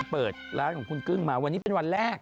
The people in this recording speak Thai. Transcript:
เปิดร้านของคุณกึ้งมาวันนี้เป็นวันแรก